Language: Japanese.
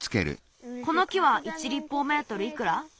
この木は１りっぽうメートルいくら？